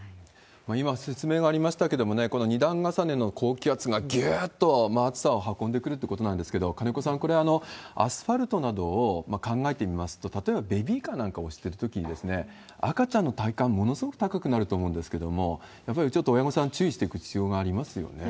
今、説明がありましたけれども、この２段重ねの高気圧がぎゅーっと暑さを運んでくるということなんですけれども、金子さん、これ、アスファルトなどを考えてみますと、例えばベビーカーなんか押してるときに、赤ちゃんの体感、ものすごく高くなると思うんですけれども、やっぱりちょっと親御さん、注意していく必要がありますよね。